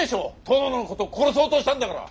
殿の事殺そうとしたんだから！